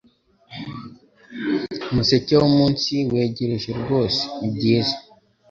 Umuseke wumunsi wegereje rwose ni byiza